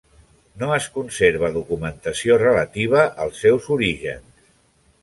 No es conserva documentació relativa als seus orígens.